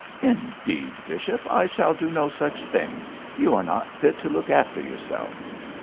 'Indeed, bishop, I shall do no such thing! You are not fit to look after yourself.'